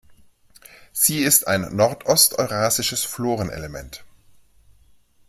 Sie ist ein nordost-eurasisches Florenelement.